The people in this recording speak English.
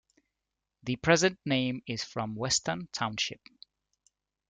The present name is from Weston Township.